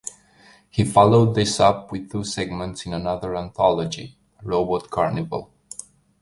He followed this up with two segments in another anthology, "Robot Carnival".